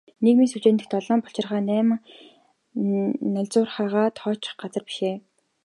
Нийгмийн сүлжээ гэдэг долоон булчирхай, найман найлзуурхайгаа тоочдог газар биш ээ.